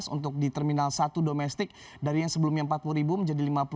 untuk di terminal satu domestik dari yang sebelumnya empat puluh menjadi lima puluh